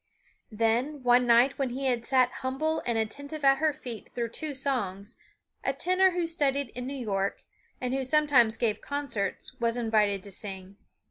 Then, one night when he had sat humble and attentive at her feet through two songs, a tenor who studied in New York, and who sometimes gave concerts, was invited to sing.